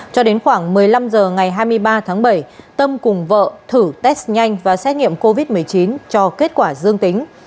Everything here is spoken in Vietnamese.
cho đến khoảng một mươi năm h ngày hai mươi ba tháng bảy tâm cùng vợ thử test nhanh và xét nghiệm covid một mươi chín cho kết quả dương tính